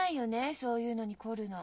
そういうのに凝るの。